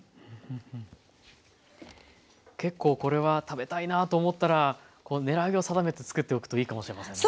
結構これは食べたいなと思ったらこう狙いを定めて作っておくといいかもしれませんね。